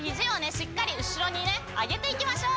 しっかりうしろにねあげていきましょう。